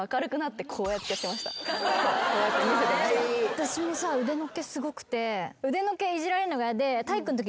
私もさ腕の毛すごくて腕の毛。